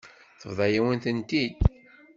Tebḍa-yawen-tent-id.